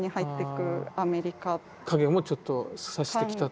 影もちょっとさしてきたと。